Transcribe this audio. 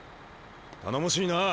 頼もしいなあ。